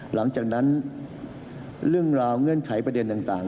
หลังจากนั้นเรื่องราวเงื่อนไขประเด็นต่าง